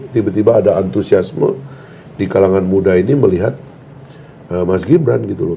tiba tiba ada antusiasme di kalangan muda ini melihat mas gibran gitu loh